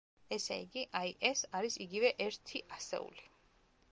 ესე იგი, აი, ეს არის იგივე ერთი ასეული.